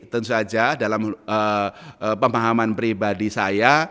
tentu saja dalam pemahaman pribadi saya